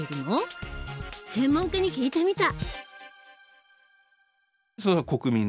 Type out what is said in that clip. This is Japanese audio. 専門家に聞いてみた。